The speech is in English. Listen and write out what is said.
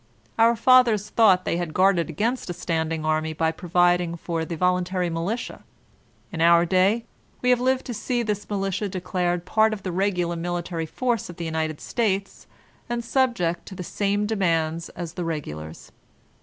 Our fathers thought they had guarded against a standing army by providing for the voluntary militia. In our day we have lived to see this militia declared part of the r^ular military force of the United States, and subject to the same demands as the regulars.